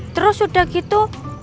terus udah gitu